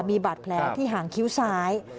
มีบาดแผลที่หางคิ้วซ้าย